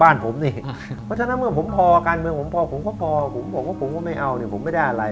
บอกว่าผมก็พอผมบอกว่าผมก็ไม่เอาเนี่ยผมไม่ได้อะไร